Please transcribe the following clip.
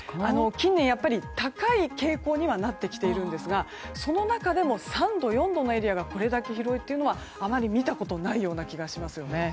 近年、高い傾向にはなってきているんですがその中でも、３度、４度のエリアがこれだけ広いというのはあまり見たことがないような気がしますよね。